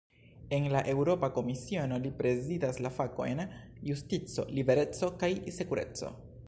En la Eŭropa Komisiono, li prezidas la fakojn "justico, libereco kaj sekureco".